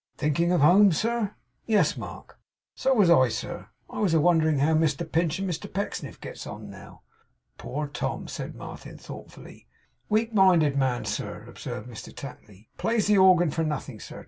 'Thinking of home, sir?' 'Yes, Mark.' 'So was I, sir. I was wondering how Mr Pinch and Mr Pecksniff gets on now.' 'Poor Tom!' said Martin, thoughtfully. 'Weak minded man, sir,' observed Mr Tapley. 'Plays the organ for nothing, sir.